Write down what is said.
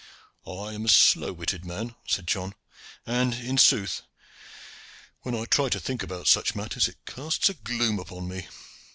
"I am a slow witted man," said John, "and, in sooth, when I try to think about such matters it casts a gloom upon me.